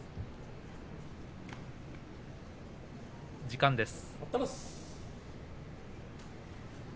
時間です。